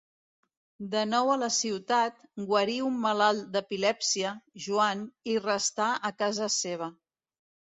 De nou a la ciutat, guarí un malalt d'epilèpsia, Joan, i restà a casa seva.